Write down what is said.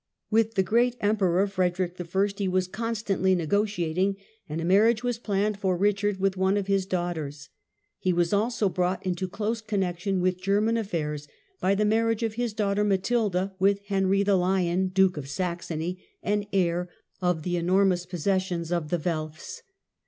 With the great ^"~p« Emperor Frederick I. he was constantly negotiating, and a marriage was planned for Richard with one of his daughters. He was also brought into close connection with German aflairs by the marriage of his daughter Matilda with Henry the Lion, Duke of Saxony, and heir of the enormous possessions of the Welfs.